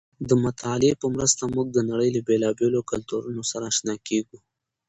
د مطالعې په مرسته موږ د نړۍ له بېلابېلو کلتورونو سره اشنا کېږو.